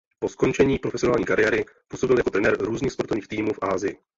Po skončení profesionální kariéry působil jako trenér různých sportovních týmů v Asii.